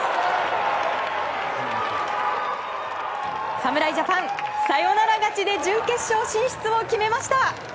侍ジャパン、サヨナラ勝ちで準決勝進出を決めました！